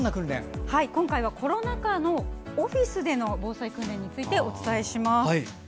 今回はコロナ禍のオフィスでの防災訓練についてお伝えします。